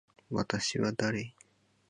私は誰。